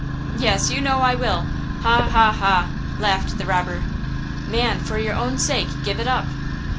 "Yes, you know I will–ha–ha–ha!" laughed the robber. "Man, for your own sake give it up!"